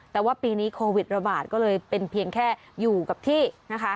แต่ว่าปีนี้โควิดระบาดก็เลยเป็นเพียงแค่อยู่กับที่นะคะ